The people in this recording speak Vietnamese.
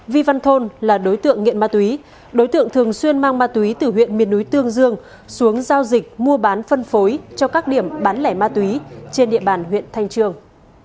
vi văn thôn là đối tượng nghiện ma túy đối tượng thường xuyên mang ma túy từ huyện miền núi tương dương xuống giao dịch mua bán phân phối cho các điểm bán lẻ ma túy trên địa bàn huyện thanh trường